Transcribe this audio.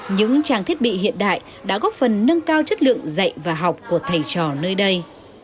những trang thiết bị hiện đại đã góp phần nâng cao chất lượng dạy và học của thầy trò nơi đây